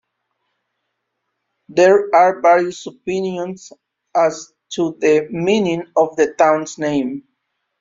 There are various opinions as to the meaning of the town's name.